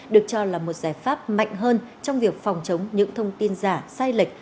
được cho là một giải pháp mạnh hơn trong việc phòng chống những thông tin giả sai lệch